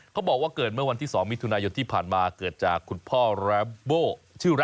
เขาบอกว่าเกิดเมื่อวันที่สองมีทุนายที่ผ่านมาเกิดจากคุณพ่อชื่อนะ